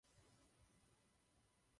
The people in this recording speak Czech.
Víme, že tak tomu je z reakce veřejnosti.